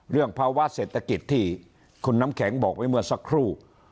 ภาวะเศรษฐกิจที่คุณน้ำแข็งบอกไว้เมื่อสักครู่